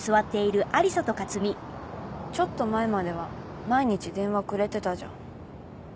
ちょっと前までは毎日電話くれてたじゃん。